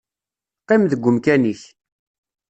Qqim deg umkan-ik.